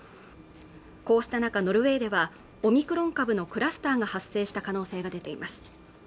こうした中ノルウェーではオミクロン株のクラスターが発生した可能性が出ています